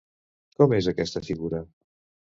Com és aquesta figura?